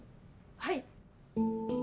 はい。